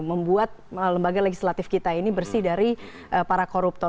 membuat lembaga legislatif kita ini bersih dari para koruptor